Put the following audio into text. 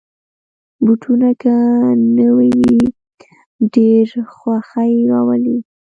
بوټونه که نوې وي، ډېر خوښي راولي.